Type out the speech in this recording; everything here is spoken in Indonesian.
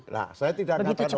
nah saya tidak ngatakan orkestrasi